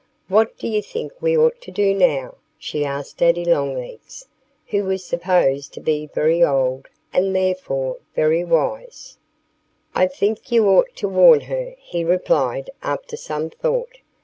"What do you think we ought to do now?" she asked Daddy Longlegs, who was supposed to be very old, and therefore very wise. "I think you ought to warn her," he replied, after some thought.